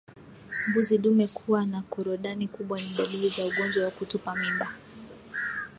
Mbuzi dume kuwa na korodani kubwa ni dalili za ugonjwa wa kutupa mimba